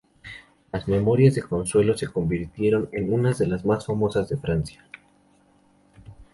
Las memorias de Consuelo se convirtieron en unas de las más famosas de Francia.